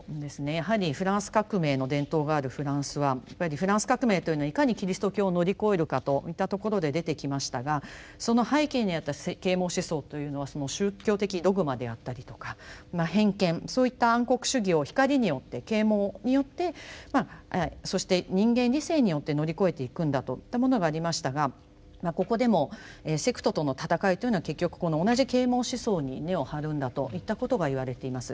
やはりフランス革命の伝統があるフランスはやっぱりフランス革命というのはいかにキリスト教を乗り越えるかといったところで出てきましたがその背景にあった啓蒙思想というのは宗教的ドグマであったりとか偏見そういった暗黒主義を光によって啓蒙によってそして人間理性によって乗り越えていくんだといったものがありましたがここでもセクトとのたたかいというのは結局この同じ啓蒙思想に根を張るんだといったことがいわれています。